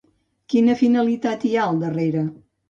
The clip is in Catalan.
Quina finalitat hi ha al darrere?